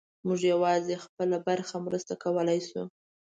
موږ یوازې خپله برخه مرسته کولی شو.